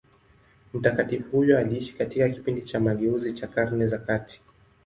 Mtakatifu huyo aliishi katika kipindi cha mageuzi cha Karne za kati.